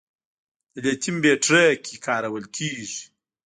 د لیتیم بیټرۍ کې کارول کېږي.